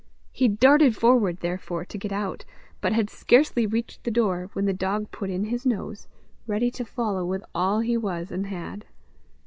He darted forward therefore to get out, but had scarcely reached the door, when the dog put in his nose, ready to follow with all he was and had.